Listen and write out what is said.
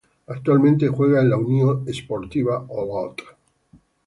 Actualmente juega en la Unió Esportiva Olot.